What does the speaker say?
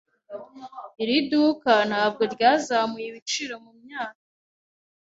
Iri duka ntabwo ryazamuye ibiciro mumyaka.